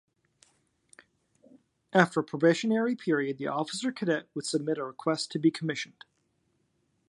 After a probationary period the officer cadet would submit a request to be commissioned.